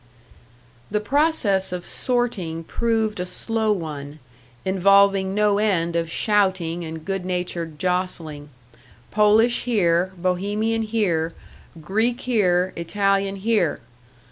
The process of sorting proved a slow one, involving no end of shouting and good natured jostling Polish here, Bohemian here, Greek here, Italian here!